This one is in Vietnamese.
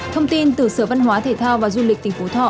thông tin từ sở văn hóa thể thao và du lịch tỉnh phú thọ